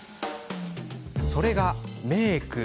それが、メーク。